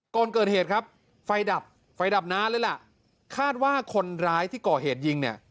ก่อนเกิดเหตุครับไฟดับไฟดับนานเลยล่ะคาดว่าคนร้ายที่ก่อเหตุยิงเนี่ย